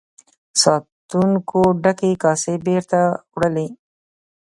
ساتونکو ډکې کاسې بیرته وړلې.